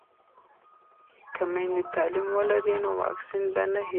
که میندې تعلیم ولري نو واکسین به نه هیروي.